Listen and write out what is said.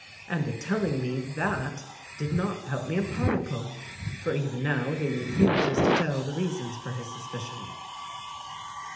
And the telling me that did not help me a particle, for even now he refuses to tell the reasons for his suspicion.